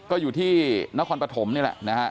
ก็อยู่ที่นครปฐมนี่แหละนะฮะ